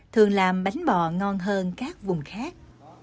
thường làm bánh bò ngon hơn các vùng khác